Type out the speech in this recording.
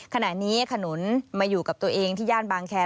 ขณะนี้ขนุนมาอยู่กับตัวเองที่ย่านบางแคร์